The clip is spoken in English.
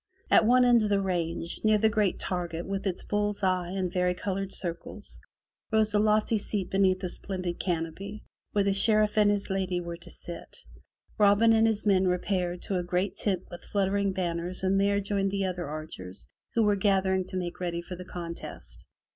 At one end of the range, near the great target with its bull's eye and vari colored circles, rose a lofty seat beneath a splendid canopy, where the Sheriff and his lady were to sit. Robin and his men repaired to a great tent with fluttering banners and there joined the other archers who were gathering to make ready for the contest.